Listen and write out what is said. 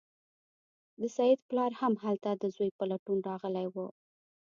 د سید پلار هم هلته د زوی په لټون راغلی و.